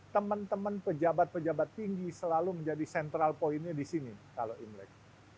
teman teman pejabat pejabat tinggi selalu menjadi sentral poinnya di sini kala imlek